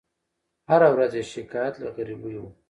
هره ورځ یې شکایت له غریبۍ وو